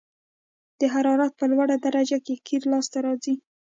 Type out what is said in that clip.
د حرارت په لوړه درجه کې قیر لاسته راځي